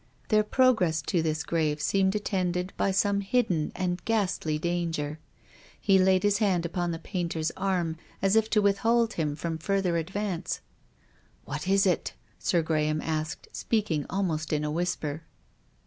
Their progress to this grave seemed attended by some hidden and ghastly danger. He laid his hand upon the painter's arm, as if to withhold him from further advance. " What is it ?" Sir Graham asked, speaking almost in a whisper.